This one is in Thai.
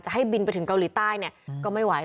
ให้บินไปถึงเกาหลีใต้เนี่ยก็ไม่ไหว